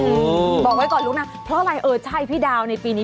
บอกไว้ก่อนลุกนะเพราะอะไรเออใช่พี่ดาวในปีนี้